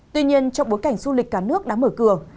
tuy nhiên trong bối cảnh du lịch cả nước đã mở cửa